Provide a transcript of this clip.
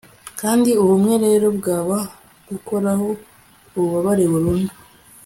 kandi ubumwe rero bwaba gukoraho ububabare burundu